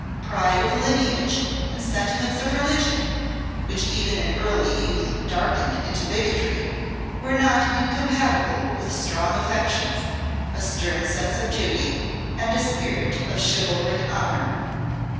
Pride of lineage and sentiments of religion, which even in early youth darkened into bigotry, were not incompatible with strong affections, a stern sense of duty, and a spirit of chivalric honour.